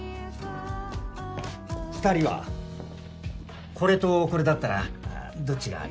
２人はこれとこれだったらどっちがいいと思う？